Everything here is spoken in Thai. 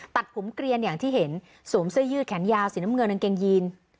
ตัดผมเกลียนอย่างที่เห็นสวมเสื้อยืดแขนยาวสีน้ำเงินกางเกงยีน